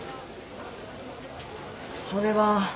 それは。